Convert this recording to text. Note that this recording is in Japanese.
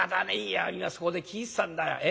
いや今そこで聞いてたんだよ。